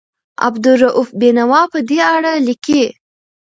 عبدالرؤف بېنوا په دې اړه لیکي.